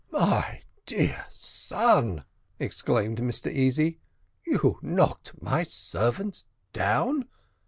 "My dear son," exclaimed Mr Easy, "you knocked my servant down!